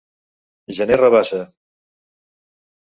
Gener Rabassa.